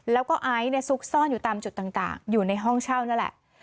แล้วก็ไอซ์ซุกซ่อนอยู่ตามจุดต่างอยู่ในห้องเช่านั่นแหละ